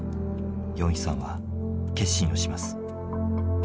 ヨンヒさんは決心をします。